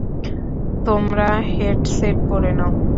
তোমরা হেডসেট পড়ে নাও।